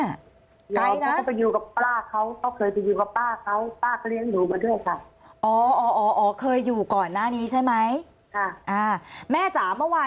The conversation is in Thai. ยอมเขาไปอยู่กับป้าเขาเขาเคยไปอยู่กับป้าเขาป้าก็เลี้ยงหนูมาด้วยค่ะ